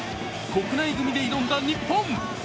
国内組で挑んだ日本。